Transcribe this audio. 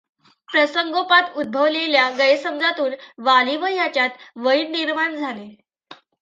प्रसंगोपात उद्भवलेल्या गैरसमजातून वाली व याच्यात वैर निर्माण झाले.